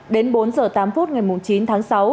đến bốn h tám phút ngày chín tháng sáu